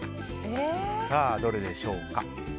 どれでしょうか。